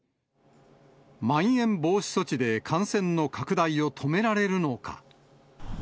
まん延防止措置で感染の拡大を止められるのか。